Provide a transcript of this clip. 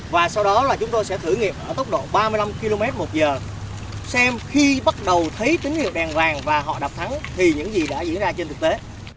và sau đó là chúng tôi sẽ thử nghiệm ở tốc độ ba mươi năm km một giờ xem khi bắt đầu thấy tín hiệu đèn vàng và họ đạp thắng thì những gì đã diễn ra trên thực tế